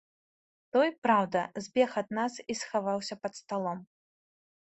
Той, праўда, збег ад нас і схаваўся пад сталом.